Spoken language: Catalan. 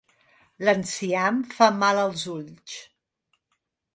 L'enciam fa mal als ulls.